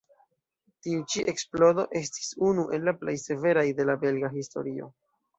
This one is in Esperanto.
Tiu ĉi eksplodo estis unu el la plej severaj de la belga historio.